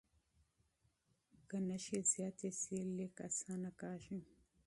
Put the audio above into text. که نښې زیاتې سي، لیک اسانه کېږي.